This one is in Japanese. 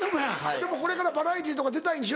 でもこれからバラエティーとか出たいんでしょ？